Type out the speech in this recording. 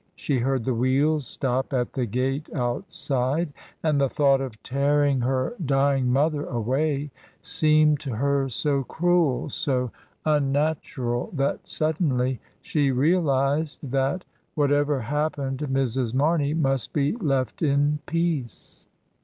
She heard the wheels stop at the gate outside, and the thought of tearing her dying mother away seemed to her so cruel, so unnatural, that suddenly she realised that, whatever happened, Mrs. Marney must be left in peace.